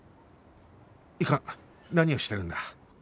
いかん何をしてるんだ